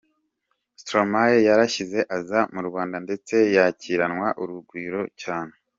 Stromae yarashyize aza mu Rwanda ndetse yakiranwa urugwiro cyane.